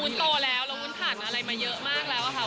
โตแล้วแล้ววุ้นผ่านอะไรมาเยอะมากแล้วอะค่ะ